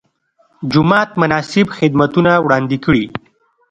جومات مناسب خدمتونه وړاندې کړي.